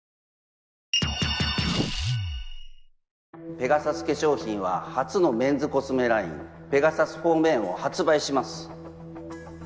ペガサス化粧品は初のメンズコスメラインペガサス・フォー・メンを発売します。